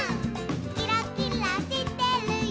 「キラキラしてるよ」